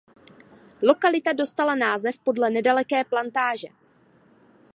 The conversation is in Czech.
Lokalita dostala název podle nedaleké plantáže.